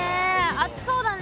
熱そうだね。